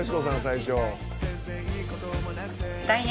最初。